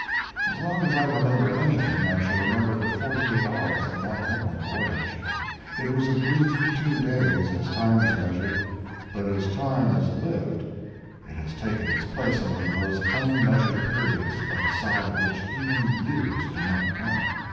As long as I remember anything I shall remember the forty eight hours of that homeward voyage. It was a brief two days as time is measured; but as time is lived it has taken its place among those unmeasured periods by the side of which even years do not count.